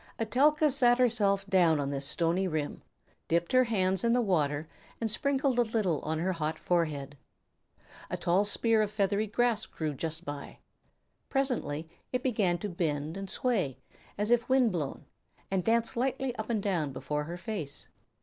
Etelka sat herself down on this stony rim, dipped her hands in the water and sprinkled a little on her hot forehead. A tall spear of feathery grass grew just by. Presently it began to bend and sway as if wind blown, and dance lightly up and down before her face.